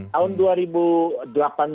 tahun dua ribu delapan belas itu total keempat